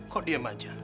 kok diam saja